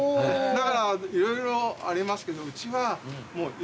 だから色々ありますけどうちは。